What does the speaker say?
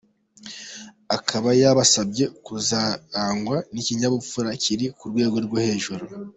Akaba yabasabye kuzarangwa n’ikinyabupfura kiri ku rwego rwo hejuru.